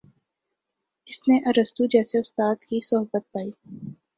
اس نے ارسطو جیسے استاد کی صحبت پائی